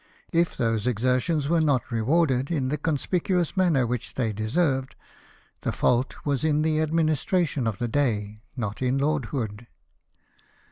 If those exertions were not rewarded in the conspicuous manner which they deserved, the fault was in the Administration of the day, not in Lord Hood.